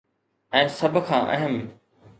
۽ سڀ کان اهم.